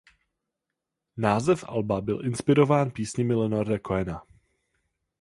Název alba byl inspirován písněmi Leonarda Cohena.